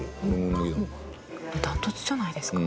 断トツじゃないですか？